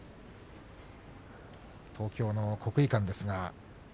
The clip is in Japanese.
東京の国技館です。